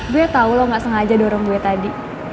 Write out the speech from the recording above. gue tau lo gak sengaja dorong gue tadi